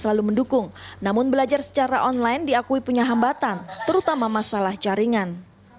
selalu mendukung namun belajar secara online diakui punya hambatan terutama masalah jaringan